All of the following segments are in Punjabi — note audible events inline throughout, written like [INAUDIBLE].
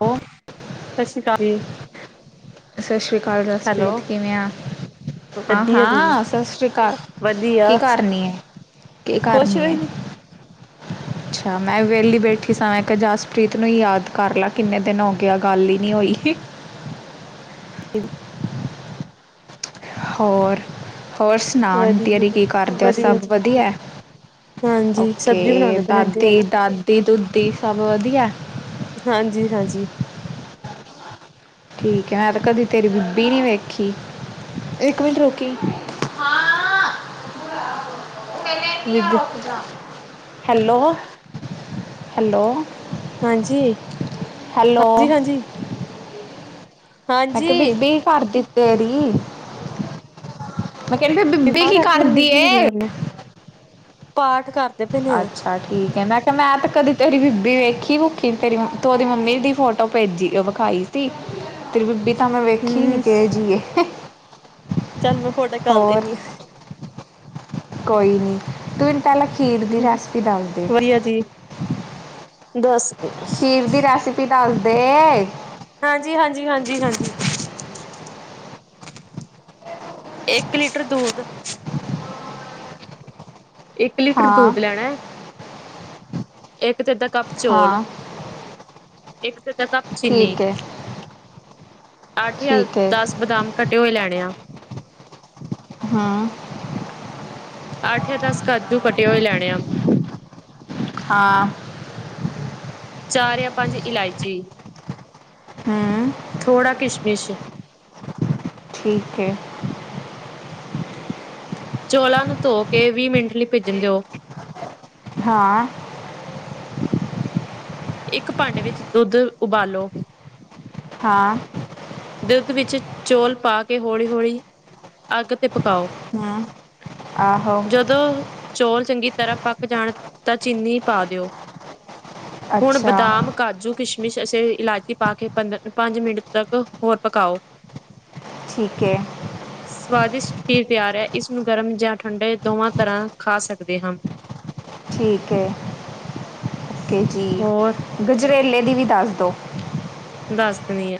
ਹੋ ਸਤਿ ਸ਼੍ਰੀ ਅਕਾਲ ਜੀ ਸਤਿ ਸ਼੍ਰੀ ਅਕਾਲ ਹੈਲੋ ਜਸਪ੍ਰੀਤ ਕਿਵੇਂ ਆ ਹਾਂ ਵਧੀਆ ਜੀ ਹਾਂ ਸਤਿ ਸ੍ਰੀ ਅਕਾਲ ਵਧੀਆ ਕੀ ਕਰਨੀ ਹੈ ਕੀ ਖੁਸ਼ ਕਰਨੀ ਹੋਏ ਹੈ ਨੀ ਅੱਛਾ ਮੈਂ ਵਿਹਲੀ ਬੈਠੀ ਸਾਂ ਮੈਂ ਇੱਕ ਜਸਪ੍ਰੀਤ ਨੂੰ ਹੀ ਯਾਦ ਕਰ ਲਾ ਕਿੰਨੇ ਦਿਨ ਹੋ ਗਿਆ ਗੱਲ ਹੀ ਨਹੀਂ ਹੋਈ ਸੀ ਕਿ ਹੋਰ ਹੋਰ ਸੁਣਾਉਣ ਵਧੀਆ ਤੇਰੀ ਕੀ ਕਰਦ ਹੋ ਸਭ ਵਧੀਆ ਹਾਂਜੀ ਸਬਜ਼ੀ ਓਕੇ ਬਣਾਉਂਦੇ ਪਏ ਨੇ ਆਂਟੀ ਦਾਦੀ ਹਰੀ ਦਾਦੀ ਦੂਦੀ ਸਭ ਵਧੀਆ ਹਾਂਜੀ ਹਾਂਜੀ ਠੀਕ ਹੈ ਮੈਂ ਤੇ ਕਦੀ ਤੇਰੀ ਬੀਬੀ ਨੀ ਵੇਖੀ ਇੱਕ ਮਿੰਟ ਰੋਕੀ ਬੀਬੀ ਹੈਲੋ ਹੈਲੋ ਹਾਂਜੀ ਹੈਲੋ ਹਾਂਜੀ ਹਾਂਜੀ ਮੈਂ ਕਿਹਾ ਹਾਂਜੀ ਬੀਬੀ ਕਰ ਦਿੱ ਤੇਰੀ ਮੈਂ ਕਹਿੰਦੀ ਫਿਰ ਬੀਬੀ ਪਾਠ ਕੀ ਕਰਦੇ ਨੇ ਕਰਦੀ ਬੀਬੀ ਨੇ ਕੀ ਏ ਕਰਨਾ ਪਾਠ ਕਰਦੇ ਪਏ ਨੇ ਅੱਛਾ ਠੀਕ ਹੈ ਮੈਂ ਮੈਂ ਤੇ ਕਦੀ ਤੇਰੀ ਬੀਬੀ ਵੇਖੀ ਭੁਖੀ ਤੇਰੀ ਤੂੰਰੀ ਮੰਮੀ ਦੀ ਫੋਟੋ ਭੇਜੀ ਵਿਖਾਈ ਸੀ ਤੇਰੀ ਬੀਬੀ ਤਾਂ ਮੈਂ ਵੇਖੀ ਹੂੰ ਨੀ ਕਿ ਜੀਏ ਚੱਲ ਮੈਂ ਫੋਟੋ ਖ ਦਿੰਦੀ ਹਾਂ ਕੋਈ ਨਹੀਂ ਤੂੰਨੂੰ ਪਹਿਲਾਂ ਖੀਰ ਦੀ ਰੈਸਪੀ ਦੱਸਦੇ ੀ ਜੀ ਦਸ ਖੀਰ ਦੀ ਰੈਸਿਪੀ ਦੱਸ ਦੇ ਹਾਂਜੀ ਹਾਂਜੀ ਹਾਂਜੀ ਹਾਂਜੀ ਇੱਕ ਲੀਟਰ ਦੂਧ ਇੱਕ ਲੀਟਰ ਹਾਂ ਦੁੱਧ ਲੈਣਾ ਇੱਕ ਅਦਾ ਕੱਪ ਚੌਲ ਹਾਂ ਇੱਕ ਅਦਾ ਕੱਪ ਚੀਨੀ ਠੀਕ ਹੈ ਅੱਠ ਹਜ਼ਾਰ ਦਸ ਬਦਾਮ ਕਟੇ ਹੋਏ ਲੈਣੇ ਆ ਹਾਂ ਅੱਠ ਜਾਂ ਦਸ ਕਾਜੂ ਕਟੇ ਹੋਏ ਲੈਣੇ ਆ ਹਾਂ ਚਾਰ ਜਾਂ ਪੰਜ ਇਲਾਇਚੀ ਹਮ ਥੋੜਾ ਕਿਸ਼ਮਿਸ਼, ਠੀਕ ਹੈ ਚੋਲਾਂ ਨੂੰ ਧੋ ਕੇ ਵੀਹ ਮਿੰਟ ਲਈ ਭਿੱਜਣ ਦਿਓ ਹਾਂ ਇੱਕ ਭਾਂਡੇ ਵਿੱਚ ਦੁੱਧ ਉਬਾਲੋ ਹਾਂ ਦੁੱਧ ਵਿੱਚ ਚੌਲ ਪਾ ਕੇ ਹੌਲੀ ਹੌਲੀ ਅੱਗ ਤੇ ਪਕਾਓ ਹੂੰ ਆਹੋ ਜਦੋਂ ਚੌਲ ਚੰਗੀ ਤਰ੍ਹਾਂ ਪੱਕ ਜਾਣ ਤਾਂ ਚੀਨੀ ਪਾ ਦਿਓ ਹੁਣ ਅੱਛਾ ਬਦਾਮ ਕਾਜੂ ਕਿਸ਼ਮਿਸ਼ ਅਸੀਂ ਇਲਾਇਚੀ ਪਾ ਕੇ ਪੰਦਰ ਪੰਜ ਮਿੰਟ ਤੱਕ ਹੋਰ ਪਕਾਓ ਠੀਕ ਹੈ ਹਾਂ ਸਵਾਦਿਸ਼ਟ ਖੀਰ ਤਿਆਰ ਹੈ ਇਸ ਨੂੰ ਗਰਮ ਜਾਂ ਠੰਡੇ ਦੋਵਾਂ ਤਰ੍ਹਾਂ ਖਾ ਸਕਦੇ ਹਾਂ, ਠੀਕ ਹੈ ਓਕੇ ਜੀ ਹੋਰ ਗਜਰੇਲੇ ਦੀ ਵੀ ਦੱਸ ਦਿਉ, ਦੱਸ ਦੇਣੀ ਆ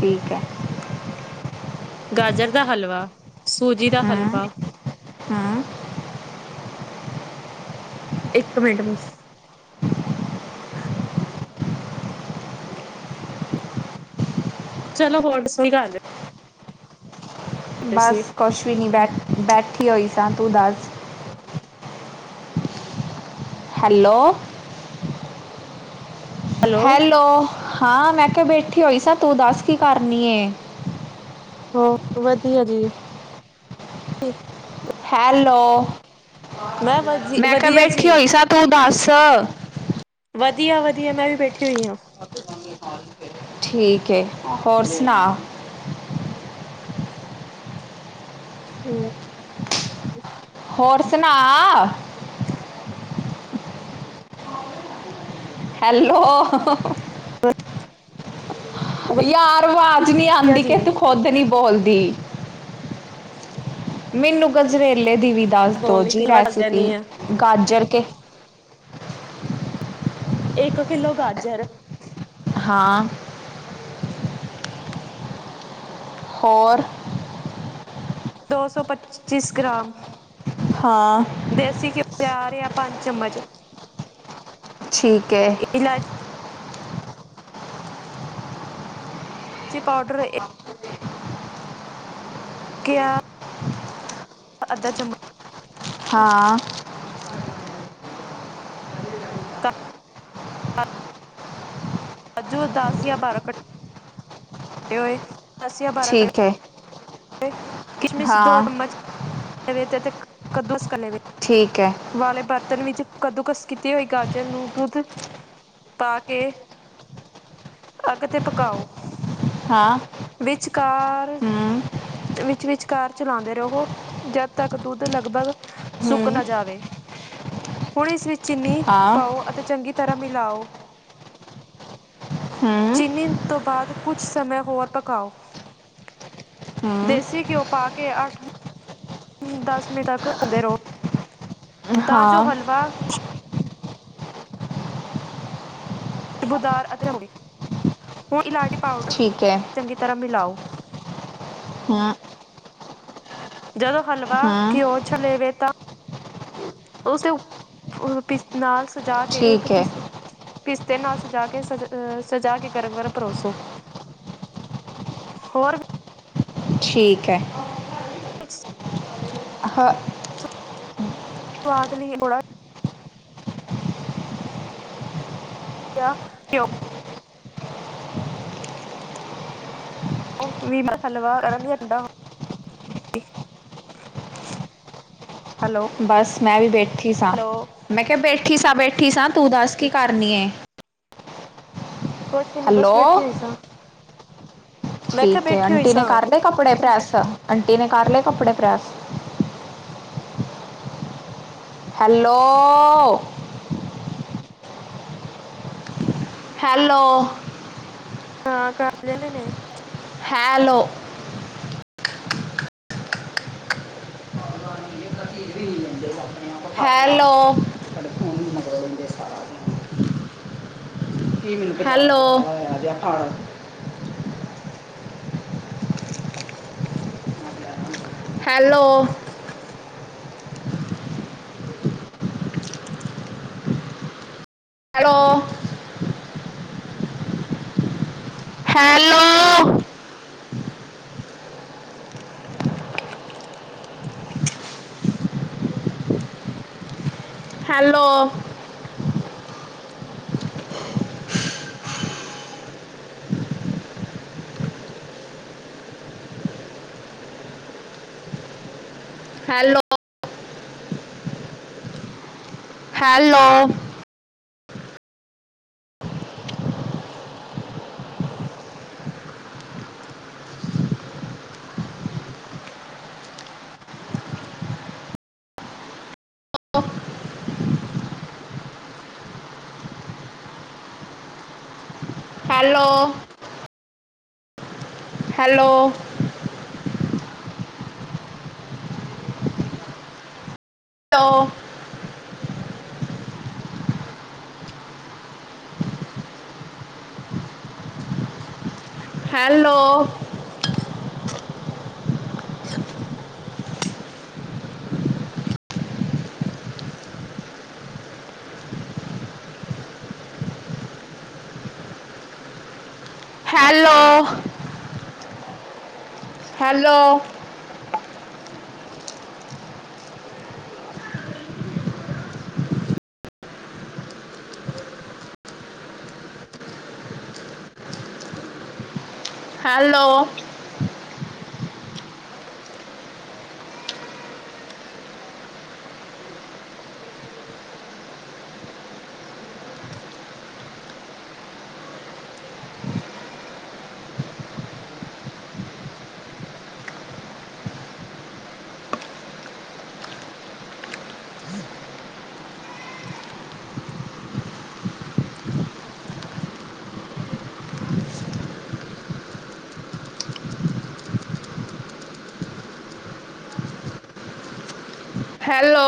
ਠੀਕ ਹੈ। ਗਾਜਰ ਦਾ ਹਲਵਾ, ਸੂਜੀ ਦਾ ਹਲਵਾ ਹੈਂ। ਇੱਕ ਮਿੰਟ ਚਲੋ ਬੋਟ ਸਹੀ ਗੱਲ ਪਏ ਸੀ ਬਸ ਕੁਛ ਵੀ ਨਹੀਂ ਬੈਠ ਬੈਠੀ ਹੋਈ ਸਾਂ ਤੂੰ ਦੱਸ ਹੈਲੋ ਹੈਲੋ ਹਾਂ ਮੈਂ ਕਿਹਾ ਬੈਠੀ ਹੋਈ ਸ ਤੂੰ ਦੱਸ ਕੀ ਕਰਨੀ ਹੋ ਵਧੀਆ ਜੀ ਹੈਲੋ ਮੈਂ ਵ ਮੈਂ ਕਿਹਾ ਵਧੀਆ ਜੀ ਬੈਠੀ ਹੋਈ ਸਾਂ ਤੂੰ ਦੱਸ, ਵਧੀਆ ਵਧੀਆ ਮੈਂ ਵੀ ਬੈਠੀ ਹੋਈ ਹਾਂ। ਠੀਕ ਹੈ ਹੋਰ ਸੁਣਾ ਹਮ ਹੋਰ ਸੁਣਾ ਹੈਲੋ ਯਾਰ ਅਵਾਜ਼ ਨਹੀਂ ਵਧੀਆ ਆਉਂਦੀ ਜੀ ਕਿ ਤੂੰ ਖੁੱਦ ਨੀ ਬੋਲਦੀ, ਮੈਨੂੰ ਗਜਰੇਲੇ ਦੀ ਵੀ ਦੱਸ ਦਿਉ ਬੋਲਣੀ ਜੀ ਪਿਲਵਾ ਦੱਸ ਰੈਸਿਪੀ ਦਿੰਦੀ ਆ ਗਾਜਰ ਕੇ ਇੱਕ ਕਿਲੋ ਗਾਜਰ ਹਾਂ ਹੋਰ ਦੋ ਸੌ ਪੱਚੀਸ ਗ੍ਰਾਮ ਹਾਂ ਦੇਸੀ ਘਿਓ ਚਾਰ ਜਾਂ ਪੰਜ ਚਮਚ ਠੀਕ ਹੈ [INAUDIBLE] ਚੀ ਪਾਊਡਰ ਇੱਕ [INAUDIBLE] ਕਿਆ ਅੱਧਾ ਚਮਚ ਹਾਂ ਰਾਜੂ ਦਸ ਜਾਂ ਬਾਰਾਂ ਕਟੇ ਹੋਏ ਦਸ ਜਾਂ ਬਾਰਾਂ ਕਿਲ [UNINTELLIGIBLE] ਠੀਕ ਹੈ ਕਿਸ਼ਮਿਸ਼ ਦੋ ਹਾਂ ਚਮਚ ਲਵੇ ਅਤੇ ਕੱਦੂਸਕਾ ਲਵੇ [UNINTELLIGIBLE] ਠੀਕ ਹੈ ਵਾਲੇ ਬਰਤਨ ਵਿੱਚ ਕੱਦੂਕਸ ਕੀਤੀ ਹੋਈ ਗਾਜਰ ਨੂੰ ਦੁੱਧ ਪਾ ਕੇ ਅੱਗ ਤੇ ਪਕਾਓ ਹਾਂ ਵਿਚਕਾਰ ਹੂੰ ਵਿੱਚ ਵਿਚਕਾਰ ਚਲਾਉਂਦੇ ਰਹੋ ਜਦ ਤੱਕ ਦੁੱਧ ਲਗਭਗ ਸੁੱਕ ਹੂੰ ਨਾ ਜਾਵੇ ਹੁਣ ਇਸ ਵਿੱਚ ਚੀਨੀ ਹਾਂ ਪਾਓ ਅਤੇ ਚੰਗੀ, ਤਰ੍ਹਾਂ ਮਿਲਾਓ ਹਮ ਚੀਨੀ ਤੋਂ ਬਾਅਦ ਕੁਝ ਸਮੇਂ ਹੋਰ ਪਕਾਓ ਹੂੰ ਦੇਸੀ ਘਿਓ ਪਾ ਕੇ ਅੱਠ ਦਸ ਮਿੰਟ ਤੱਕ ਹੁੰਦੇ ਰਹੋ ਤਾਂ ਜੋ ਹਾਂ ਹਲਵਾ ਬੁਦਾਰ ਅਤੇ ਹੁਣ ਇਲਾਚ ਪਾਊਡਰ ਠੀਕ ਹੈ ਚੰਗੀ ਤਰ੍ਹਾਂ ਮਿਲਾਓ ਹ [UNINTELLIGIBLE] ਜਦੋਂ ਹਲਵਾ ਹੂੰ ਘਿਓ ਛਲੇਵੇ ਤਾਂ ਉਸਦੇ ਨਾਲ ਸਜਾ ਕੇ ਠੀਕ ਪਤੀ ਹੈ [UNINTELLIGIBLE] ਪਿਸਤੇ ਨਾਲ ਸਜਾ ਕੇ ਸਜਾ ਕੇ ਗਰਮ ਗਰਮ ਪਰੋਸੋ ਹੋਰ ਵੀ ਠੀਕ ਹੈ ਸਸ [UNINTELLIGIBLE] ਹਾਂ ਸ ਅਦ ਲਈ ਉਹ [UNINTELLIGIBLE] [INAUDIBLE] ਵੀ ਮੈਂ ਸੱਲਵਾਹ ਕਰਾਂਗੀ ਡਾ [UNINTELLIGIBLE] [INAUDIBLE] ਬਸ ਮੈਂ ਵੀ ਬੈਠੀ ਸਾਂ ਹੈਲੋ ਮੈਂ ਕਿਹਾ ਬੈਠੀ ਸਾਂ ਬੈਠੀ ਸਾਂ ਤੂੰ ਦੱਸ ਕੀ ਕੁਛ ਕਰਨੀ ਕੁਛ ਵੀ ਨੀ ਬੱਸ ਬੈਠੀ ਹੈਲੋ ਹੋਈ ਸਾਂ ਮੈਂ ਕਿਹਾ ਠੀਕ ਹੈ ਬੈਠੀ ਹੋਈ ਆਂਟੀ ਨੇ ਸਾਂ ਕਰ ਲਏ ਕੱਪੜੇ ਪ੍ਰੈਸ ਆਂਟੀ ਨੇ ਕਰ ਲਏ ਕੱਪੜੇ ਪ੍ਰੈਸ ਹੈਲੋ ਹੈਲੋ ਹਾਂ ਕਰਦੇ ਨੇ hello hello [INAUDIBLE] hello hello hello hello hello hello hello hello ਦੋ [UNINTELLIGIBLE] hello hello hello hello hello